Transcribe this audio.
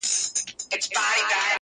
د دانو په اړولو کي سو ستړی!.